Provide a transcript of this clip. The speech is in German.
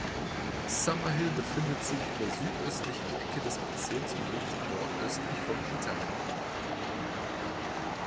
Summerhill befindet sich in der südöstlichen Ecke des Bezirks und liegt nordöstlich von Ithaka.